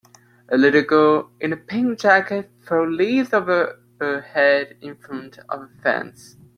A little girl in a pink jacket throws leaves over her head in front of a fence.